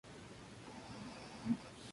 Jugaba de delantero y su primer club fue Ferro.